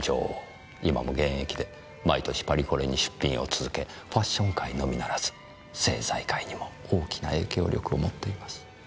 今も現役で毎年パリコレに出品を続けファッション界のみならず政財界にも大きな影響力を持っています。